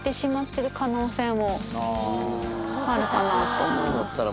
あるかなと思います。